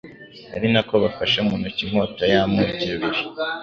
ari na ko bafashe mu ntoki inkota y’amugi abiri